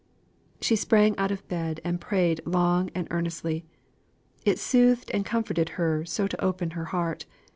She sprang out of bed and prayed long and earnestly. It soothed and comforted her so to open her heart.